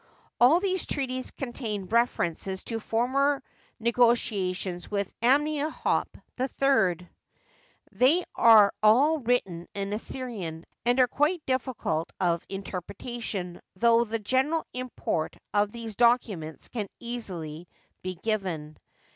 All these treaties contain ref erences to former negotiations with Amenhotep III ; they are all written in Assyrian, and are quite difficult of inter pretation, though the general import of these documents can easily be given.